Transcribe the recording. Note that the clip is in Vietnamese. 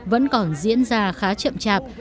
vẫn còn diễn ra khá chậm chạp